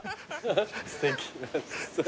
すてき。